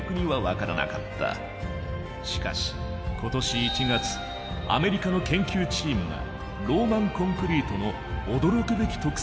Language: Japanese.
しかし今年１月アメリカの研究チームがローマンコンクリートの驚くべき特性を発見した。